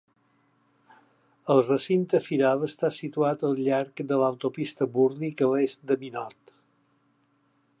El recinte firal està situat al llarg de l'autopista Burdick a l'est de Minot.